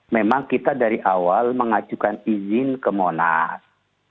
memang kita dari awal mengajukan izin ke monas